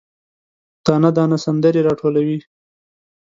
دانه، دانه سندرې، راټولوي